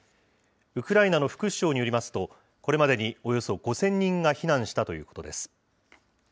ウクライナの副首相によりますと、これまでにおよそ５０００人が避難したということです。